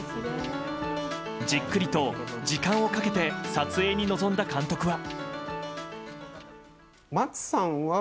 じっくりと時間をかけて撮影に臨んだ監督は。